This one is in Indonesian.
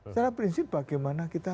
secara prinsip bagaimana kita